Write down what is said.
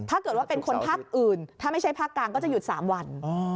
ถ้าเกิดว่าเป็นคนภาคอื่นถ้าไม่ใช่ภาคกลางก็จะหยุด๓วัน